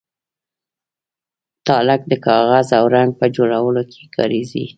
تالک د کاغذ او رنګ په جوړولو کې کاریږي.